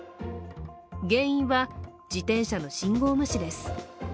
原因は自転車の信号無視です。